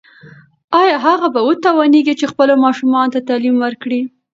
ایا هغه به وتوانیږي چې خپلو ماشومانو ته تعلیم ورکړي؟